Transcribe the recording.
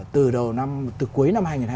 từ cuối năm hai nghìn hai mươi ba